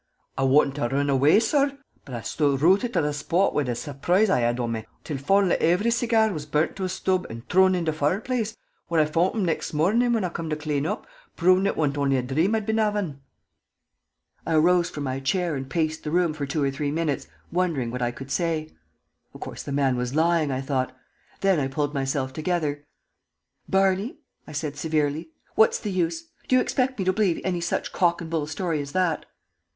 "I wanted to run awaa, sorr, but I shtood rutted to the shpot wid th' surproise I had on me, until foinally ivery segyar was burnt to a shtub and trun into the foireplace, where I found 'em the nixt mornin' when I came to clane up, provin' ut wasn't ony dhrame I'd been havin'." I arose from my chair and paced the room for two or three minutes, wondering what I could say. Of course the man was lying, I thought. Then I pulled myself together. "Barney," I said, severely, "what's the use? Do you expect me to believe any such cock and bull story as that?"